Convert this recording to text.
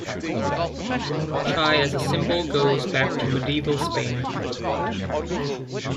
Chai as a symbol goes back to medieval Spain.